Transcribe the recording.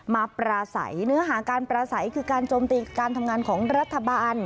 ปราศัยเนื้อหาการปราศัยคือการโจมตีการทำงานของรัฐบาล